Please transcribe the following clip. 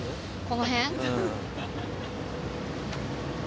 この辺？